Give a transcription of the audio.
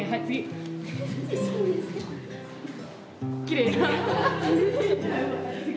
きれい！